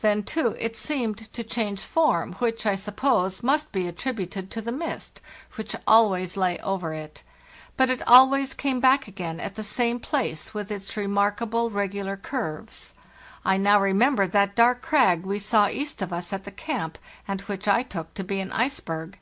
Then, too, it seemed to change form, which, I suppose, must be attributed to the mist which always lay over it; but it always came back again at the same place with its remarkable regular curves. I now remember that dark crag we saw east of us at the camp, and which I took to be an iceberg.